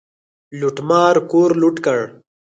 لوټمار کور لوټ کړ.